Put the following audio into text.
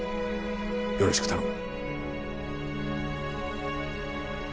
よろしく頼む。